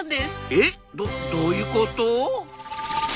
えどどういうこと？